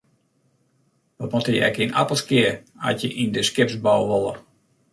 Wat moatte je ek yn Appelskea at je yn de skipsbou wolle?